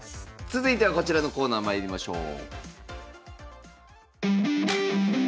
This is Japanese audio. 続いてはこちらのコーナーまいりましょう。